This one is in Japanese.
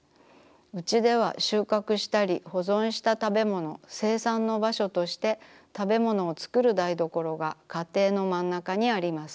うちでは収穫したり保存したたべものの生産のばしょとしてたべものをつくる台所が家庭のまんなかにあります。